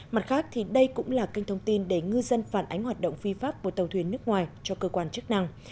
mặt khác thì đây cũng là kênh thông tin để ngư dân phản ánh hoạt động phi pháp của tàu thuyền nước ngoài cho cơ quan chức năng